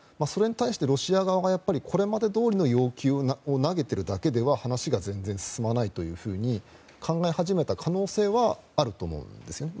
それに対して、ロシア側はこれまでどおりの要求を投げているだけでは話が全然進まないと考え始めた可能性はあると思うんです。